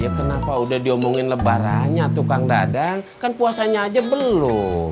ya kenapa udah diomongin lebarannya tukang dadan kan puasanya aja belum